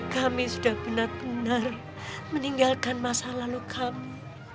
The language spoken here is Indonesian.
kami sudah benar benar meninggalkan masa lalu kamu